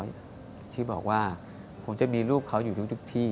บ๊วยบ๊วยที่บอกว่าผมจะมีรูปเขาอยู่ทุกที่